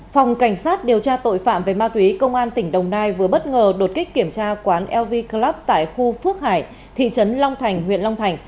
phòng cảnh sát điều tra tội phạm về ma túy công an tỉnh đồng nai vừa bất ngờ đột kích kiểm tra quán lv club tại khu phước hải thị trấn long thành huyện long thành